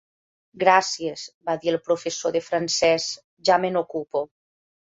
Gràcies —va dir el professor de francès—, ja me n'ocupo.